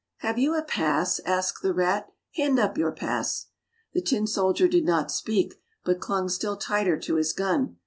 "Have you a pass?" asked the rat. "Hand up your pass! " The tin soldier did not speak, but clung still tighter to his gun.